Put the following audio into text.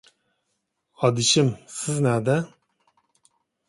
ئادىشىم، سىز نەدە؟